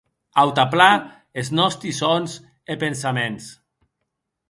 Autanplan es nòsti sòns e pensaments.